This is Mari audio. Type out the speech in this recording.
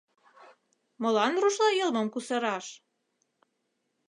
Молан рушла йылмым кусараш?